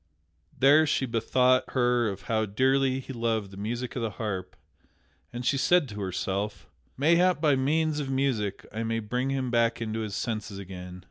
Then she bethought her of how dearly he loved the music of the harp, and she said to herself: "Mayhap by means of music I may bring him back into his senses again."